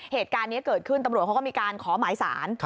เหตุการณ์นี้เกิดขึ้นตำรวจเขาก็มีการขอหมายสาร